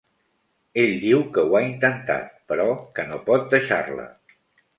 Ell diu que ho ha intentat, però que no pot deixar-la.